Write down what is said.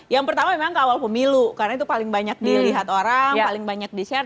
yang pertama memang kawal pemilu karena itu paling banyak dilihat orang paling banyak di share